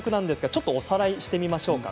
ちょっとおさらいしてみましょうか。